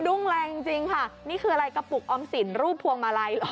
แรงจริงค่ะนี่คืออะไรกระปุกออมสินรูปพวงมาลัย